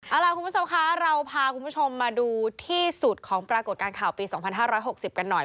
เอาล่ะคุณผู้ชมคะเราพาคุณผู้ชมมาดูที่สุดของปรากฏการณ์ข่าวปี๒๕๖๐กันหน่อย